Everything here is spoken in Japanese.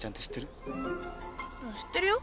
知ってるよ。